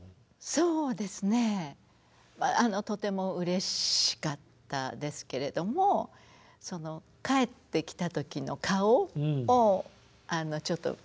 そうですねとてもうれしかったですけれども帰ってきた時の顔をちょっといつも見てましたね。